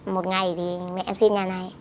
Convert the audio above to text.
một ngày thì mẹ em xin nhà này